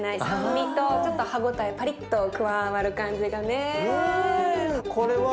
酸味とちょっと歯応えパリッと加わる感じがね。